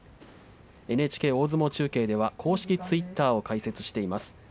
ＮＨＫ大相撲中継では公式ツイッターを解説しています。